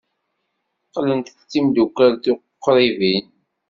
Qqlent d timeddukal tuqribin.